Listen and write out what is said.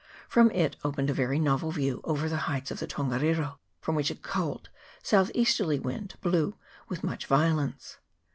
From it opened a very novel view over the heights of the Tongariro, from which a cold south easterly wind blew with much violence.